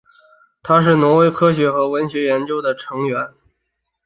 他是挪威科学和文学研究院的成员。